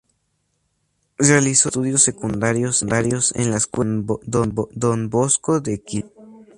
Realizó sus estudios secundarios en la Escuela Don Bosco de Quilmes.